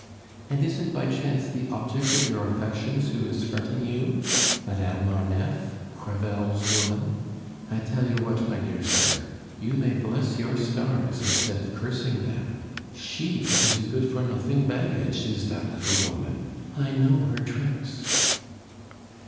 And is it by chance the object of your affections who is fretting you? Madame Marneffe, Crevel's woman? I tell you what, my dear sir, you may bless your stars instead of cursing them. She is a good for nothing baggage, is that little woman. I know her tricks!"